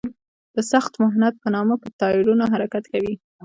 د سخت محنت په نامه په ټایرونو حرکت کوي.